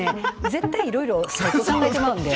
絶対いろいろ考えてまうんで。